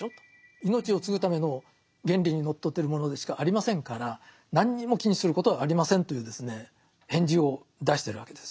命を継ぐための原理にのっとってるものでしかありませんから何にも気にすることはありませんという返事を出してるわけですよ。